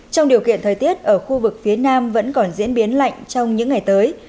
trong điều kiện thời tiết ở khu vực phía nam vẫn còn diễn biến lạnh trong những ngày tới